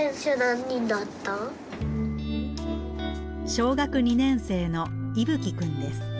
小学２年生のいぶきくんです。